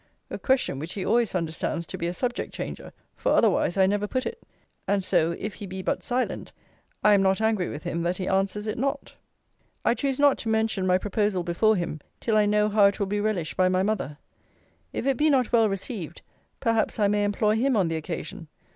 A question which he always understands to be a subject changer; for otherwise I never put it. And so if he be but silent, I am not angry with him that he answers it not. I choose not to mention my proposal before him, till I know how it will be relished by my mother. If it be not well received, perhaps I may employ him on the occasion.